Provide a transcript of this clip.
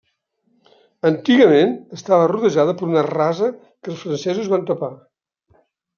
Antigament, estava rodejada per una rasa que els francesos van tapar.